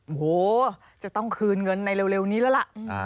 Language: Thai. โอ้โหจะต้องคืนเงินในเร็วนี้แล้วล่ะ